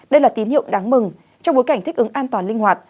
đây là tín hiệu đáng mừng trong bối cảnh thích ứng an toàn linh hoạt